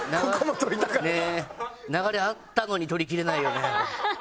流れあったのにとりきれないよね。